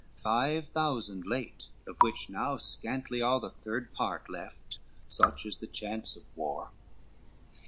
Five thousand late, of which now scantly are The third part left, such is the chance of war.